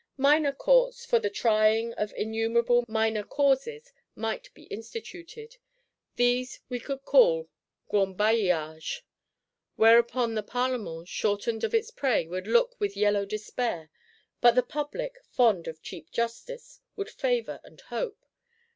Minor Courts, for the trying of innumerable minor causes, might be instituted: these we could call Grand Bailliages. Whereon the Parlement, shortened of its prey, would look with yellow despair; but the Public, fond of cheap justice, with favour and hope.